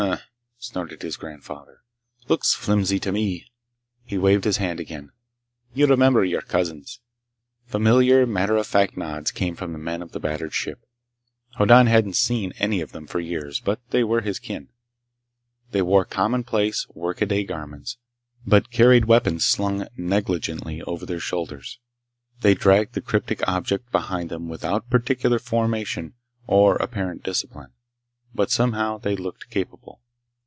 "Hm m m," snorted his grandfather. "Looks flimsy to me!" He waved his hand again. "You remember your cousins." Familiar, matter of fact nods came from the men of the battered ship. Hoddan hadn't seen any of them for years, but they were his kin. They wore commonplace, workaday garments, but carried weapons slung negligently over their shoulders. They dragged the cryptic object behind them without particular formation or apparent discipline, but somehow they looked capable.